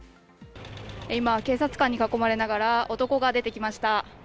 今、警察官に囲まれながら男が出てきました。